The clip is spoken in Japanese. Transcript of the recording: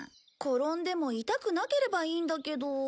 転んでも痛くなければいいんだけど。